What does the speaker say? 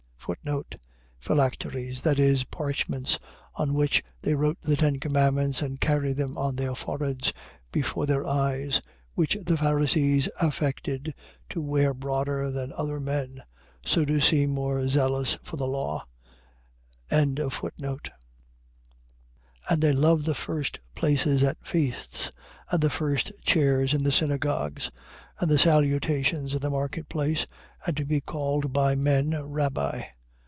Phylacteries. . .that is, parchments, on which they wrote the ten commandments, and carried them on their foreheads before their eyes: which the Pharisees affected to wear broader than other men; so to seem more zealous for the law. 23:6. And they love the first places at feasts and the first chairs in the synagogues, 23:7. And salutations in the market place, and to be called by men, Rabbi.